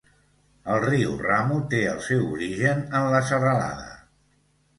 El riu Ramu té el seu origen en la serralada.